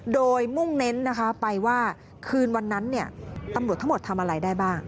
โดยมุ่งเน้นนะคะไปว่าคืนวันนั้นตำรวจทั้งหมดทำอะไรได้บ้าง